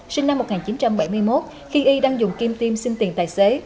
sinh năm một nghìn chín trăm bảy mươi một khi y đang dùng kim tiêm xin tiền tài xế